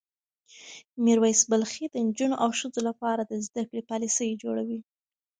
میر ویس بلخي د نجونو او ښځو لپاره د زده کړې پالیسۍ جوړوي.